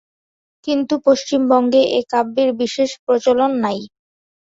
কিন্তু পশ্চিমবঙ্গে এ কাব্যের বিশেষ প্রচলন নাই।